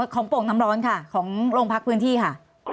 โป่งน้ำร้อนค่ะของโรงพักพื้นที่ค่ะ